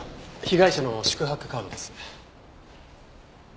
被害者の宿泊カードです。